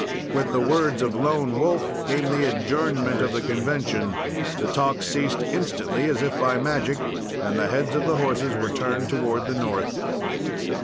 With the words of Lone Wolf came the adjournment of the convention. The talk ceased instantly, as if by magic, and the heads of the horses were turned toward the north.